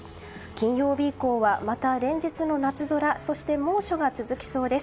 金曜日以降はまた連日の夏空そして猛暑が続きそうです。